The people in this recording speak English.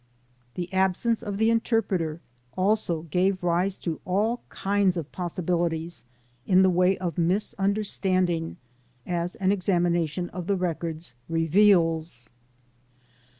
The absence of the interpreter also gave rise to all kinds of possibilities in the way of misunderstanding, as an examination of the records reveals.